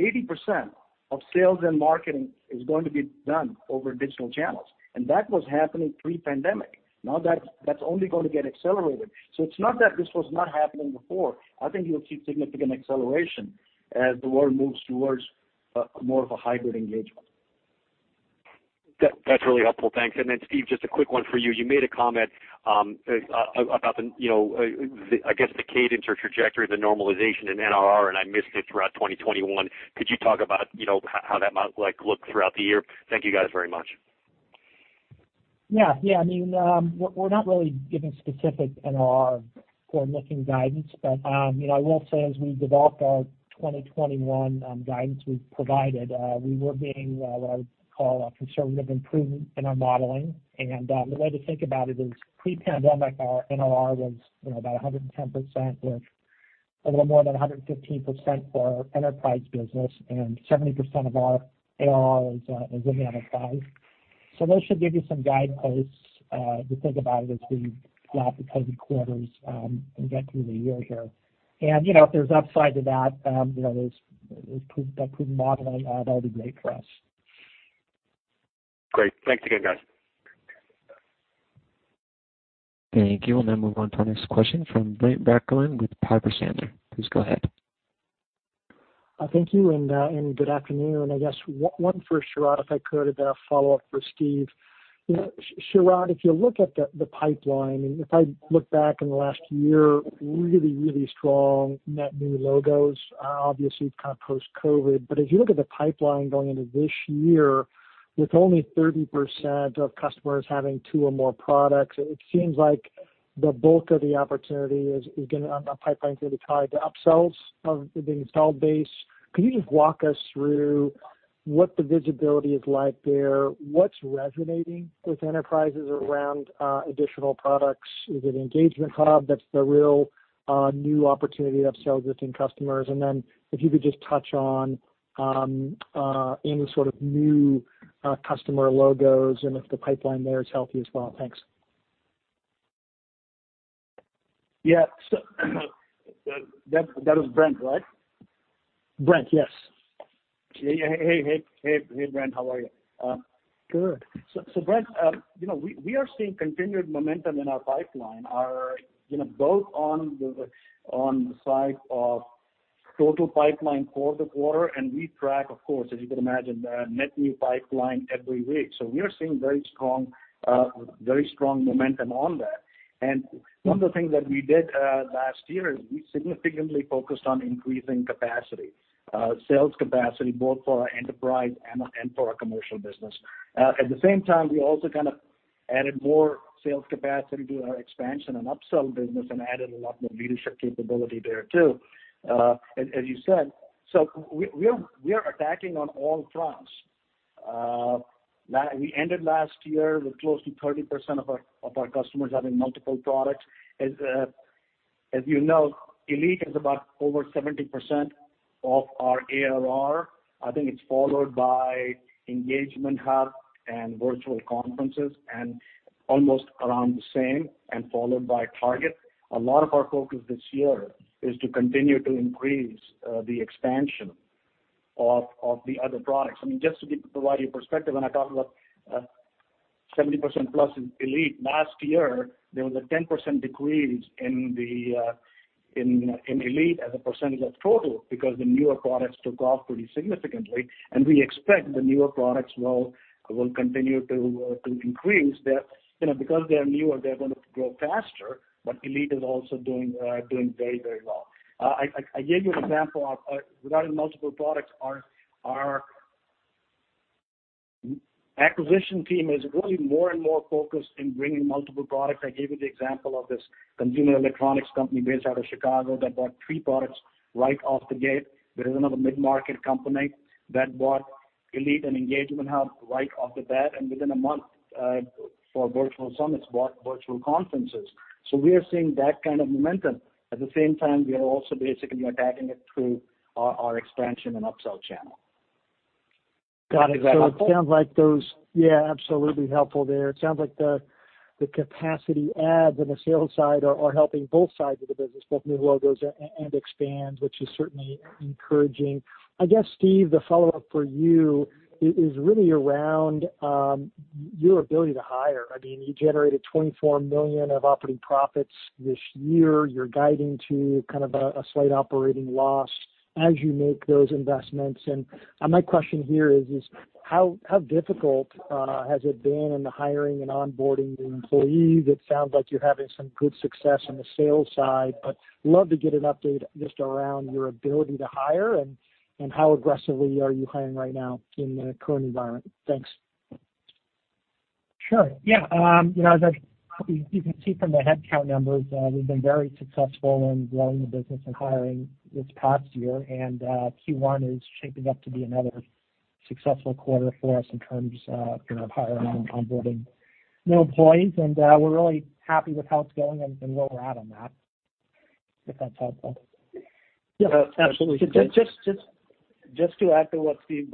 [SPEAKER 3] 80% of sales and marketing is going to be done over digital channels. That was happening pre-pandemic. Now that's only going to get accelerated. It's not that this was not happening before. I think you'll see significant acceleration as the world moves towards more of a hybrid engagement.
[SPEAKER 7] That's really helpful. Thanks. Steve, just a quick one for you. You made a comment about the cadence or trajectory, the normalization in NRR, and I missed it throughout 2021. Could you talk about how that might look throughout the year? Thank you guys very much.
[SPEAKER 4] We're not really giving specific NRR forward-looking guidance. I will say as we developed our 2021 guidance we've provided, we were being what I would call a conservative improvement in our modeling. The way to think about it is pre-pandemic, our NRR was about 110%, with a little more than 115% for our enterprise business, and 70% of our ARR is in enterprise. Those should give you some guideposts to think about it as we drop the COVID quarters and get through the year here. If there's upside to that proven modeling, that'll be great for us.
[SPEAKER 7] Great. Thanks again, guys.
[SPEAKER 1] Thank you. We'll now move on to our next question from Brent Bracelin with Piper Sandler. Please go ahead.
[SPEAKER 8] Thank you, and good afternoon. I guess one for Sharat, if I could, and then a follow-up for Steve. Sharat, if you look at the pipeline, and if I look back in the last year, really strong net new logos. Obviously, it's kind of post-COVID-19. If you look at the pipeline going into this year, with only 30% of customers having two or more products, it seems like the bulk of the opportunity is going to, on the pipeline, is going to be tied to upsells of the installed base. Can you just walk us through what the visibility is like there? What's resonating with enterprises around additional products? Is it Engagement Hub that's the real new opportunity to upsell existing customers? If you could just touch on any sort of new customer logos and if the pipeline there is healthy as well. Thanks.
[SPEAKER 3] Yeah. That was Brent, right?
[SPEAKER 8] Brent, yes.
[SPEAKER 3] Hey, Brent. How are you?
[SPEAKER 8] Good.
[SPEAKER 3] Brent, we are seeing continued momentum in our pipeline, Total pipeline for the quarter, and we track, of course, as you can imagine, net new pipeline every week. We are seeing very strong momentum on that. One of the things that we did last year is we significantly focused on increasing capacity, sales capacity both for our enterprise and for our commercial business. At the same time, we also kind of added more sales capacity to our expansion and upsell business and added a lot more leadership capability there, too, as you said. We are attacking on all fronts. We ended last year with close to 30% of our customers having multiple products. As you know, Elite is about over 70% of our ARR. I think it's followed by Engagement Hub and Virtual Conference, almost around the same and followed by Target. A lot of our focus this year is to continue to increase the expansion of the other products. Just to provide you perspective, when I talk about 70%+ in Elite, last year, there was a 10% decrease in Elite as a percentage of total because the newer products took off pretty significantly. We expect the newer products will continue to increase. They are newer, they're going to grow faster. Elite is also doing very well. I gave you an example regarding multiple products. Our acquisition team is really more and more focused in bringing multiple products. I gave you the example of this consumer electronics company based out of Chicago that bought three products right off the gate. There is another mid-market company that bought Elite and Engagement Hub right off the bat, and within a month, for virtual summits, bought Virtual Conference. We are seeing that kind of momentum. At the same time, we are also basically attacking it through our expansion and upsell channel. Is that helpful?
[SPEAKER 8] Got it. Absolutely helpful there. It sounds like the capacity adds on the sales side are helping both sides of the business, both new logos and expand, which is certainly encouraging. I guess, Steve, the follow-up for you is really around your ability to hire. You generated $24 million of operating profits this year. You're guiding to kind of a slight operating loss as you make those investments. My question here is how difficult has it been in the hiring and onboarding the employees? It sounds like you're having some good success on the sales side, but love to get an update just around your ability to hire and how aggressively are you hiring right now in the current environment? Thanks.
[SPEAKER 4] Sure. Yeah. As you can see from the headcount numbers, we've been very successful in growing the business and hiring this past year, Q1 is shaping up to be another successful quarter for us in terms of hiring and onboarding new employees. We're really happy with how it's going and where we're at on that, if that's helpful.
[SPEAKER 8] Yeah. Absolutely.
[SPEAKER 3] Just to add to what Steve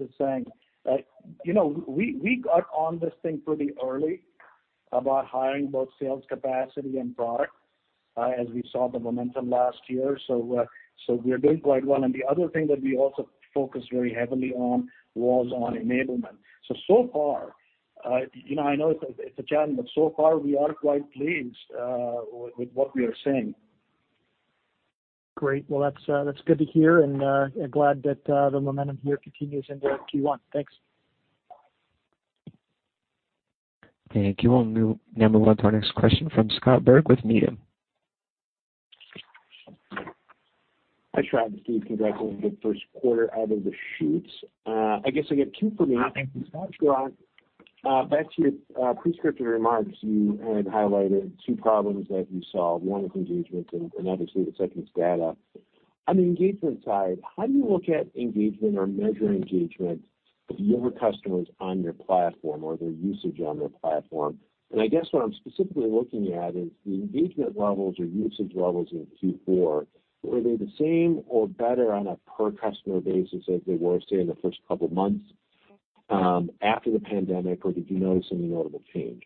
[SPEAKER 3] is saying. We got on this thing pretty early about hiring both sales capacity and product, as we saw the momentum last year. We're doing quite well. The other thing that we also focused very heavily on was on enablement. So far, I know it's a challenge, but so far, we are quite pleased with what we are seeing.
[SPEAKER 8] Great. Well, that's good to hear, and glad that the momentum here continues into Q1. Thanks.
[SPEAKER 1] Thank you. We'll now move on to our next question from Scott Berg with Needham.
[SPEAKER 9] Hi, Sharat, Steve. Congratulations on the first quarter out of the shoots. I guess I get two for me.
[SPEAKER 3] Thank you, Scott.
[SPEAKER 9] Sharat, back to your prescriptive remarks, you had highlighted two problems that you saw, one with engagement and obviously the second is data. On the engagement side, how do you look at engagement or measure engagement of your customers on your platform or their usage on your platform? I guess what I'm specifically looking at is the engagement levels or usage levels in Q4. Were they the same or better on a per customer basis as they were, say, in the first couple of months after the COVID-19 pandemic, or did you notice any notable change?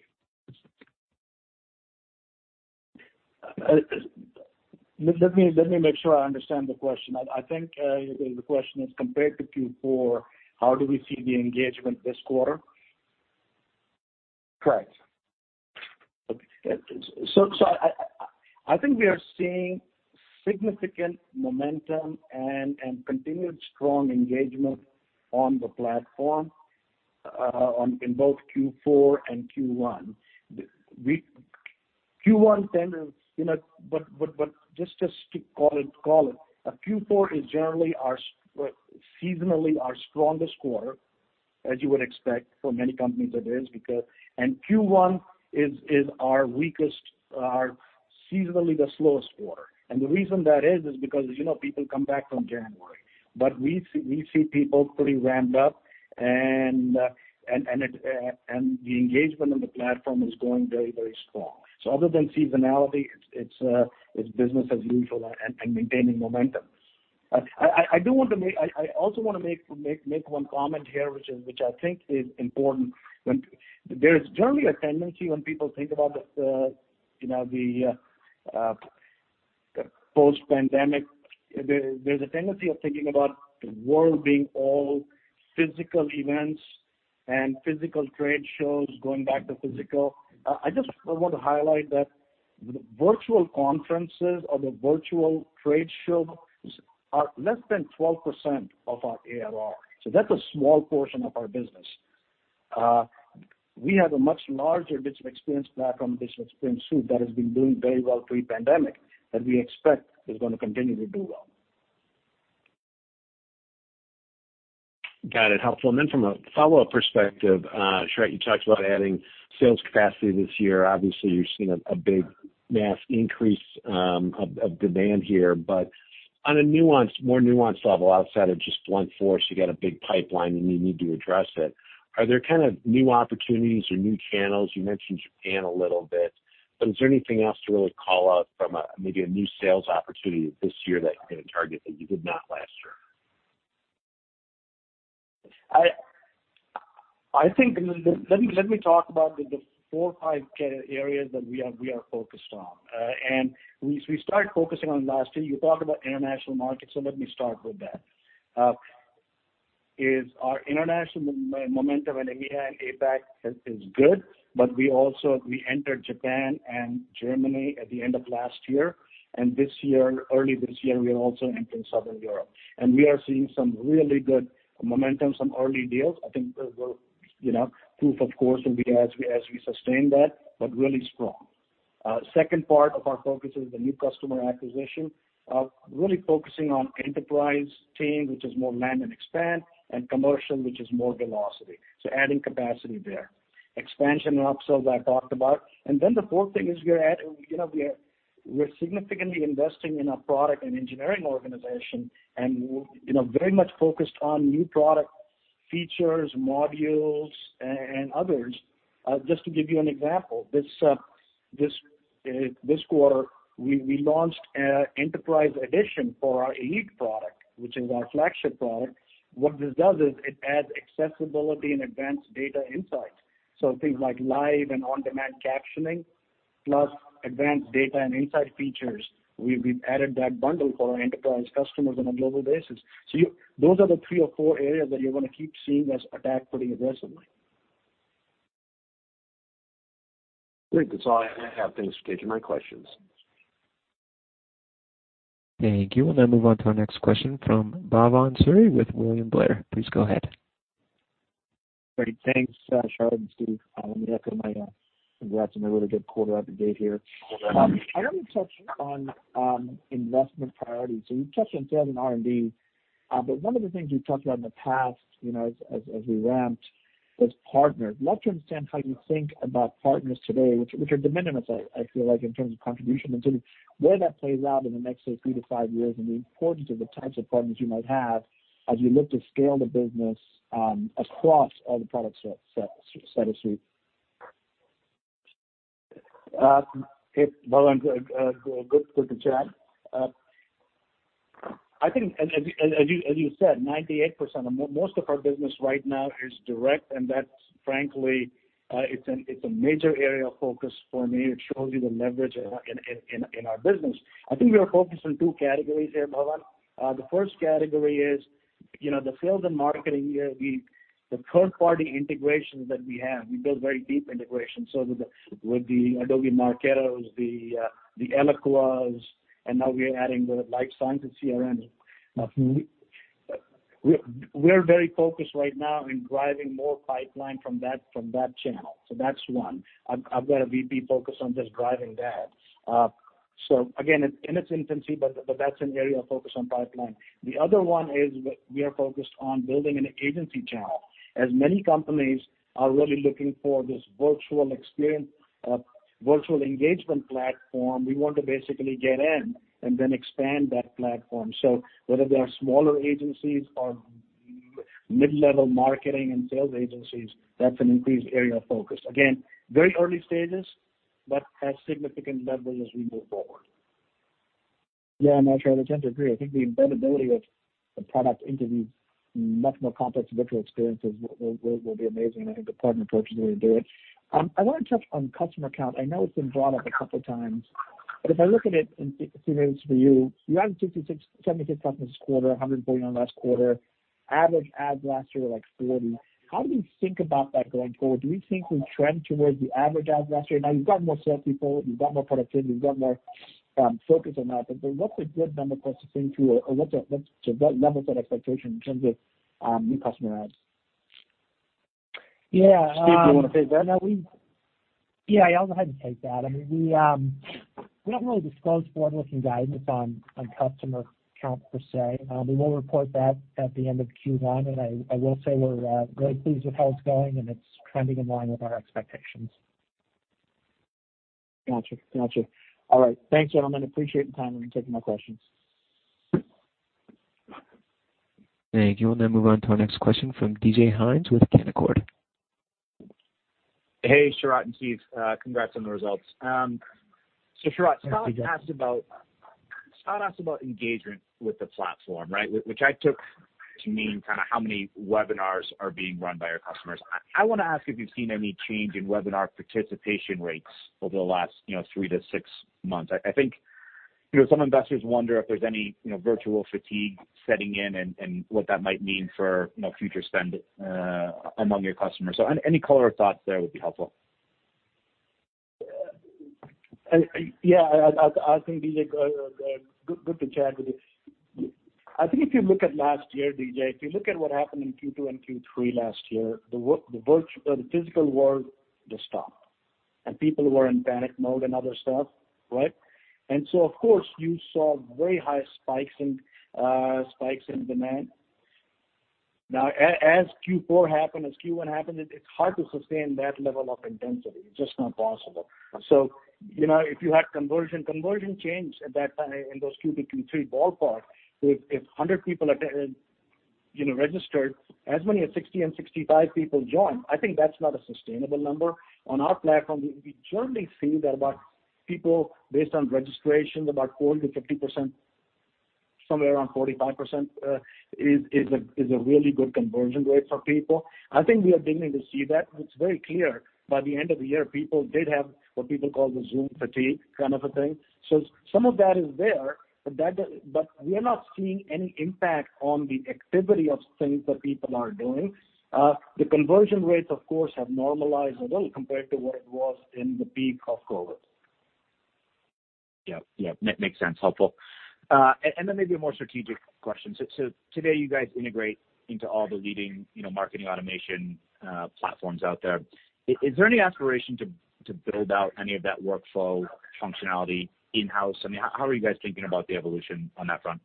[SPEAKER 3] Let me make sure I understand the question. I think the question is, compared to Q4, how do we see the engagement this quarter?
[SPEAKER 9] Correct.
[SPEAKER 3] I think we are seeing significant momentum and continued strong engagement on the platform in both Q4 and Q1. Q4 is generally, seasonally our strongest quarter, as you would expect. For many companies it is. Q1 is our weakest, seasonally the slowest quarter. The reason that is because people come back from January. We see people pretty ramped up, and the engagement on the platform is going very strong. Other than seasonality, it's business as usual and maintaining momentum. I also want to make one comment here, which I think is important. There is generally a tendency when people think about the post-pandemic, there's a tendency of thinking about the world being all physical events and physical trade shows going back to physical. I just want to highlight that the virtual conferences or the virtual trade shows are less than 12% of our ARR. That's a small portion of our business. We have a much larger digital experience platform, Digital Experience Suite, that has been doing very well pre-pandemic that we expect is going to continue to do well.
[SPEAKER 9] Got it. Helpful. From a follow-up perspective, Sharat, you talked about adding sales capacity this year. Obviously, you're seeing a big, mass increase of demand here, but on a more nuanced level, outside of just blunt force, you got a big pipeline, and you need to address it. Are there kind of new opportunities or new channels? You mentioned Japan a little bit, but is there anything else to really call out from maybe a new sales opportunity this year that you're going to target that you did not last year?
[SPEAKER 3] I think, let me talk about the four or five key areas that we are focused on. We started focusing on last year. You talked about international markets, so let me start with that. Our international momentum in EMEA and APAC is good, but we also entered Japan and Germany at the end of last year. This year, early this year, we have also entered Southern Europe. We are seeing some really good momentum, some early deals. I think proof, of course, will be as we sustain that, but really strong. Second part of our focus is the new customer acquisition, really focusing on enterprise team, which is more land and expand, and commercial, which is more velocity. Adding capacity there. Expansion and upsells, I talked about. The fourth thing is we're significantly investing in our product and engineering organization and very much focused on new product features, modules, and others. To give you an example, this quarter, we launched an enterprise edition for our Elite product, which is our flagship product. What this does is it adds accessibility and advanced data insights. Things like live and on-demand captioning, plus advanced data and insight features. We've added that bundle for our enterprise customers on a global basis. Those are the three or four areas that you're going to keep seeing us attack pretty aggressively.
[SPEAKER 9] Great. That's all I have. Thanks for taking my questions.
[SPEAKER 1] Thank you. We'll now move on to our next question from Bhavan Suri with William Blair. Please go ahead.
[SPEAKER 10] Great. Thanks, Sharat and Steve. Let me echo my congrats on a really good quarter out the gate here. I want to touch on investment priorities. You touched on sales and R&D, but one of the things you've talked about in the past, as we ramped, was partners. Love to understand how you think about partners today, which are de minimis, I feel like, in terms of contribution today, where that plays out in the next say three to five years, and the importance of the types of partners you might have as you look to scale the business across all the product set of suite.
[SPEAKER 3] Hey, Bhavan. Good to chat. That frankly, it's a major area of focus for me. It shows you the leverage in our business. I think we are focused on two categories here, Bhavan. The first category is, the sales and marketing, the third-party integrations that we have. We build very deep integrations. With the Adobe Marketos, the Eloquas, and now we are adding the life sciences CRM. We're very focused right now in driving more pipeline from that channel. That's one. I've got a VP focused on just driving that. Again, it's in its infancy, but that's an area of focus on pipeline. The other one is we are focused on building an agency channel. As many companies are really looking for this virtual experience, virtual engagement platform, we want to basically get in and then expand that platform. Whether they are smaller agencies or mid-level marketing and sales agencies, that's an increased area of focus. Again, very early stages, but has significant leverage as we move forward.
[SPEAKER 10] No, Sharat, I tend to agree. I think the embedability of the product into these much more complex virtual experiences will be amazing, and I think the partner approach is the way to do it. I want to touch on customer count. I know it's been brought up a couple of times, if I look at it and see maybe it's for you added 76 customers this quarter, 140 on last quarter. Average adds last year were like 40. How do we think about that going forward? Do we think we trend towards the average adds last year? You've got more salespeople, you've got more productivity, you've got more focus on that, what's a good number for us to think through? What level is that expectation in terms of new customer adds?
[SPEAKER 3] Yeah. Steve, do you want to take that?
[SPEAKER 4] Yeah, I'll go ahead and take that. I mean, we don't really disclose forward-looking guidance on customer count per se. We will report that at the end of Q1. I will say we're very pleased with how it's going, and it's trending in line with our expectations.
[SPEAKER 10] Got you. All right. Thanks, gentlemen. Appreciate the time and taking my questions.
[SPEAKER 1] Thank you. We'll now move on to our next question from DJ Hynes with Canaccord.
[SPEAKER 11] Hey, Sharat and Steve. Congrats on the results.
[SPEAKER 3] Hi, DJ.
[SPEAKER 11] Scott asked about engagement with the platform, right? Which I took to mean kind of how many webinars are being run by your customers. I want to ask if you've seen any change in webinar participation rates over the last three to six months. Some investors wonder if there's any virtual fatigue setting in and what that might mean for future spend among your customers. Any color of thoughts there would be helpful.
[SPEAKER 3] Yeah. I think, DJ, good to chat with you. I think if you look at last year, DJ, if you look at what happened in Q2 and Q3 last year, the physical world just stopped, and people were in panic mode and other stuff, right? Of course, you saw very high spikes in demand. Now, as Q4 happened, as Q1 happened, it's hard to sustain that level of intensity. It's just not possible. If you had conversion changed at that time in those Q2, Q3 ballpark. If 100 people registered, as many as 60 and 65 people joined. I think that's not a sustainable number. On our platform, we generally see that about people, based on registrations, about 40%-50%, somewhere around 45%, is a really good conversion rate for people. I think we are beginning to see that. It's very clear, by the end of the year, people did have what people call the Zoom fatigue kind of a thing. Some of that is there, but we are not seeing any impact on the activity of things that people are doing. The conversion rates, of course, have normalized a little compared to what it was in the peak of COVID.
[SPEAKER 11] Yeah. Makes sense. Helpful. Maybe a more strategic question. Today you guys integrate into all the leading marketing automation platforms out there. Is there any aspiration to build out any of that workflow functionality in-house? How are you guys thinking about the evolution on that front?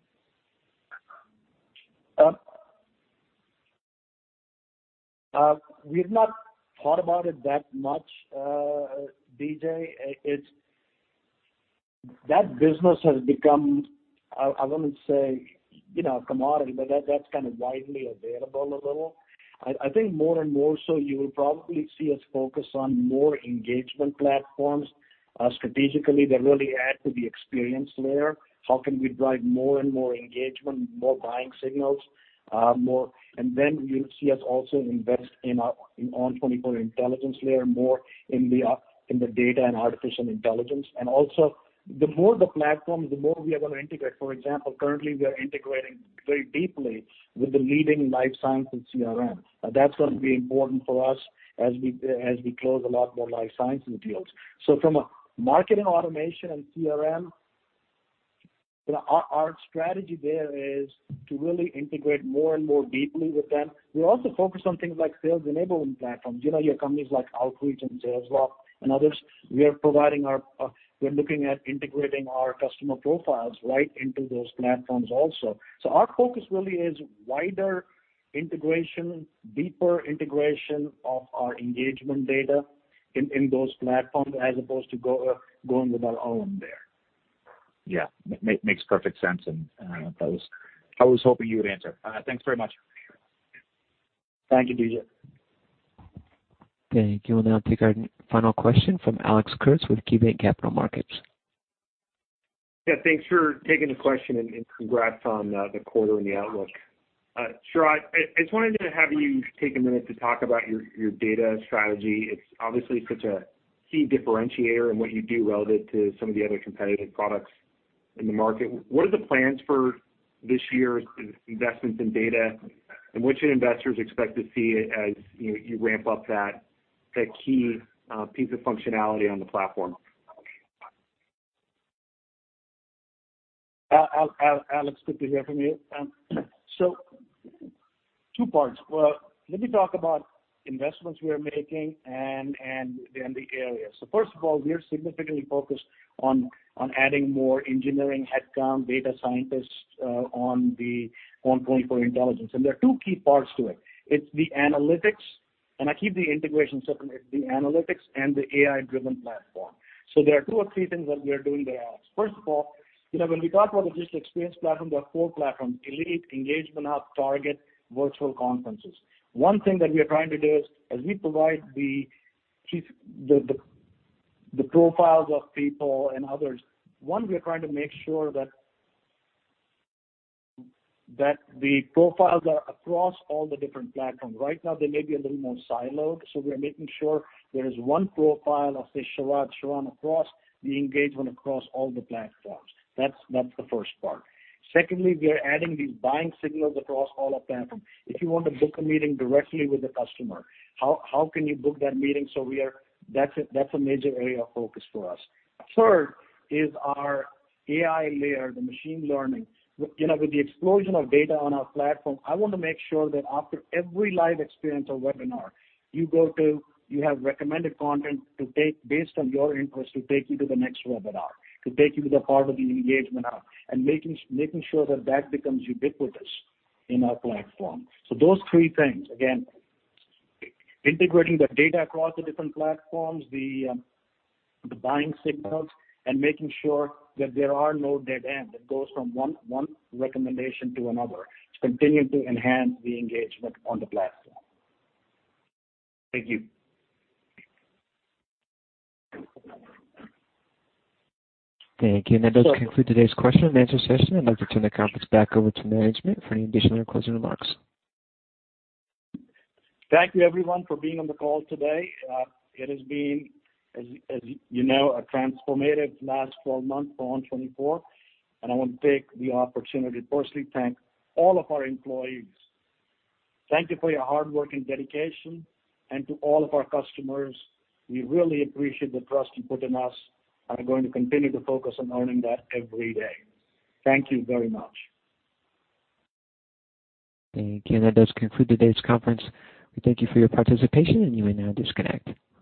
[SPEAKER 3] We've not thought about it that much, DJ. That business has become, I wouldn't say, a commodity, but that's kind of widely available a little. I think more and more so you will probably see us focus on more engagement platforms. Strategically, they really add to the experience layer. How can we drive more and more engagement, more buying signals? Then you'll see us also invest in ON24 Intelligence layer more in the data and artificial intelligence. Also the more the platforms, the more we are going to integrate. For example, currently we are integrating very deeply with the leading life science and CRM. That's going to be important for us as we close a lot more life science deals. From a marketing automation and CRM, our strategy there is to really integrate more and more deeply with them. We also focus on things like sales enablement platforms. Your companies like Outreach and Salesforce and others, we are looking at integrating our customer profiles right into those platforms also. Our focus really is wider integration, deeper integration of our engagement data in those platforms as opposed to going with our own there.
[SPEAKER 11] Yeah. Makes perfect sense, and that was I was hoping you would answer. Thanks very much.
[SPEAKER 3] Thank you, DJ.
[SPEAKER 1] Thank you. We'll now take our final question from Alex Kurtz with KeyBanc Capital Markets.
[SPEAKER 12] Yeah, thanks for taking the question and congrats on the quarter and the outlook. Sharat, I just wanted to have you take a minute to talk about your data strategy. It's obviously such a key differentiator in what you do relative to some of the other competitive products in the market. What are the plans for this year's investments in data, and what should investors expect to see as you ramp up that key piece of functionality on the platform?
[SPEAKER 3] Alex, good to hear from you. Two parts. Let me talk about investments we are making and then the areas. First of all, we are significantly focused on adding more engineering headcount, data scientists on the ON24 Intelligence, and there are two key parts to it. It's the analytics, and I keep the integration separate, the analytics and the AI-driven platform. There are two or three things that we are doing there. First of all, when we talk about the digital experience platform, there are four platforms, Elite, Engagement Hub, Target, Virtual Conference. One thing that we are trying to do is as we provide the profiles of people and others, one, we are trying to make sure that the profiles are across all the different platforms. Right now, they may be a little more siloed, so we are making sure there is one profile of, say, Sharat Sharan across the engagement across all the platforms. That's the first part. Secondly, we are adding these buying signals across all our platforms. If you want to book a meeting directly with the customer, how can you book that meeting? That's a major area of focus for us. Third is our AI layer, the machine learning. With the explosion of data on our platform, I want to make sure that after every live experience or webinar you go to, you have recommended content based on your interest to take you to the next webinar, to take you to the part of the Engagement Hub, and making sure that that becomes ubiquitous in our platform. Those three things, again, integrating the data across the different platforms, the buying signals, and making sure that there are no dead end, that goes from one recommendation to another to continue to enhance the engagement on the platform.
[SPEAKER 12] Thank you.
[SPEAKER 1] Thank you. That does conclude today's question and answer session. I'd like to turn the conference back over to management for any additional closing remarks.
[SPEAKER 3] Thank you everyone for being on the call today. It has been, as you know, a transformative last 12 months for ON24, and I want to take the opportunity to personally thank all of our employees. Thank you for your hard work and dedication. To all of our customers, we really appreciate the trust you put in us and are going to continue to focus on earning that every day. Thank you very much.
[SPEAKER 1] Thank you. That does conclude today's conference. We thank you for your participation, and you may now disconnect.